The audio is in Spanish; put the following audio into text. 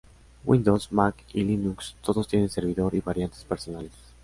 Windows, Mac y Linux todos tienen servidor y variantes personales.